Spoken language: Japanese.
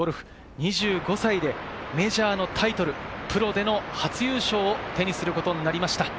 ２５歳でメジャーのタイトル、プロでの初優勝を手にすることになりました。